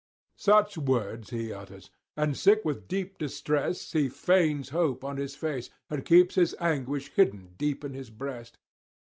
Such words he utters, and sick with deep distress he feigns hope on his face, and keeps his anguish hidden deep in his breast.